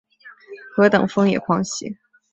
何等疯野狂喜？